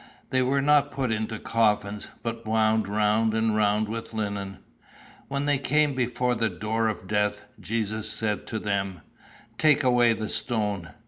They were not put into coffins, but wound round and round with linen. "When they came before the door of death, Jesus said to them, 'Take away the stone.